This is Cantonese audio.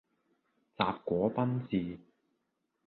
什果賓治